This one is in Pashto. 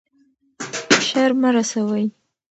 شر مه رسوئ.